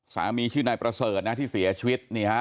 สามีชื่อนายประเสริฐนะที่เสียชีวิตนี่ฮะ